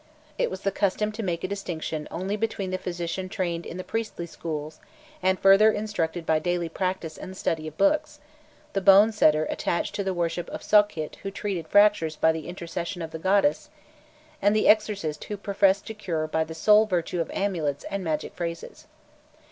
It was the custom to make a distinction only between the physician trained in the priestly schools, and further instructed by daily practice and the study of books, the bone setter attached to the worship of Sokhit who treated fractures by the intercession of the goddess, and the exorcist who professed to cure by the sole virtue of amulets and magic phrases.